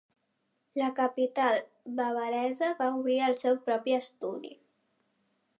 A la capital bavaresa va obrir el seu propi estudi.